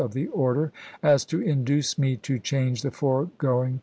of the ordcr as to induce me to change the foregoing pp.